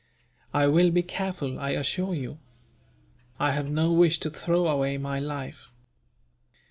"I will be careful, I assure you. I have no wish to throw away my life."